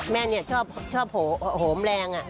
แม่นี่ชอบห่มแรง